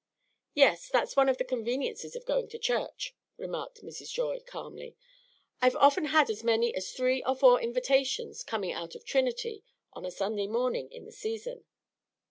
"Yes, that's one of the conveniences of going to church," remarked Mrs. Joy, calmly. "I've often had as many as three or four invitations, coming out of Trinity on a Sunday morning in the season.